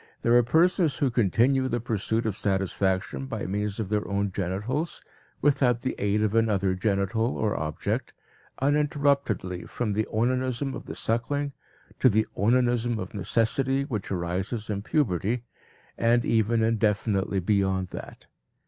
There are persons who continue the pursuit of satisfaction by means of their own genitals, without the aid of another genital or object, uninterruptedly from the onanism of the suckling to the onanism of necessity which arises in puberty, and even indefinitely beyond that.